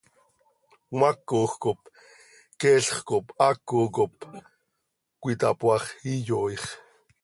Cmaacoj cop queelx cop haaco cop cöitapoaax, iyooix.